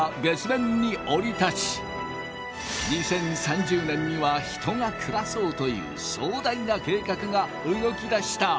２０３０年には人が暮らそうという壮大な計画が動きだした。